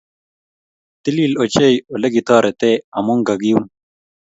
Titil ochei olegitoretegee amu kagiun